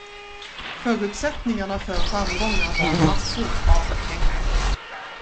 Förutsättningarna för framgångar var massor av pengar.